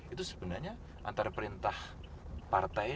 itu sebenarnya antara perintah partai